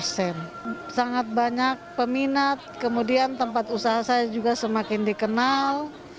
sangat banyak peminat kemudian tempat usaha saya juga semakin dikenal